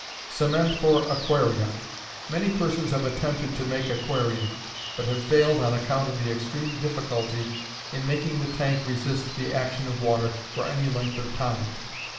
Cement for Aquaria. Many persons have attempted to make aquarium, but have failed on account of the extreme difficulty in making the tank resist the action of water for any length of time.